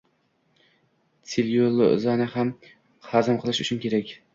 Tsellyulozani hazm qilish uchun kerak.